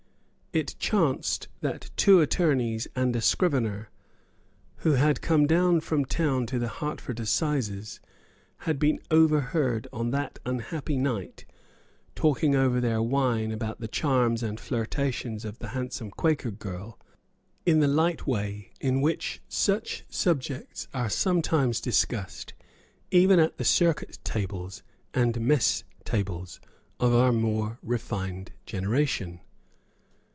It chanced that two attorneys and a scrivener, who had come down from town to the Hertford assizes, had been overheard, on that unhappy night, talking over their wine about the charms and flirtations of the handsome Quaker girl, in the light way in which such subjects are sometimes discussed even at the circuit tables and mess tables of our more refined generation.